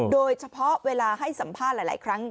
โดยเฉพาะเวลาให้สัมภาษณ์หลายครั้ง